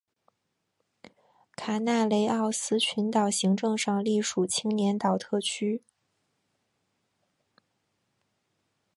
卡纳雷奥斯群岛行政上隶属青年岛特区。